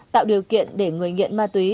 tạo điều kiện để người nghiện ma túy